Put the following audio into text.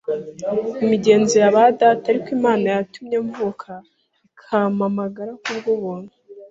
imigenzor ya ba data Ariko Imana yatumye mvuka ikampamagara ku bw ubuntu